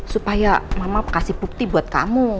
supaya mama kasih bukti buat kamu